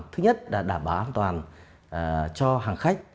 thứ nhất là đảm bảo an toàn cho hàng khách